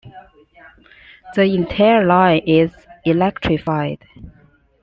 The entire line is electrified.